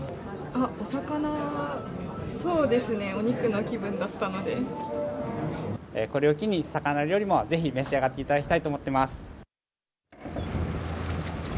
あっ、お魚は、そうですね、これを機に、魚料理もぜひ召し上がっていただきたいと思っています。